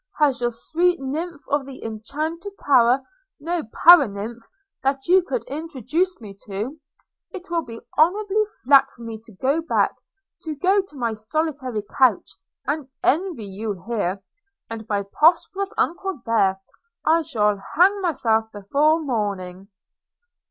has your sweet nymph of the enchanted tower no para nymph that you could introduce me to? It will be horribly flat for me to go back, to go to my solitary couch, and envy you here, and my prosperous uncle there – I shall hang myself before morning.'